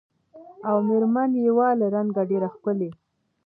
او مېر من یې وه له رنګه ډېره ښکلې